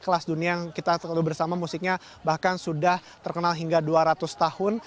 kelas dunia yang kita tahu bersama musiknya bahkan sudah terkenal hingga dua ratus tahun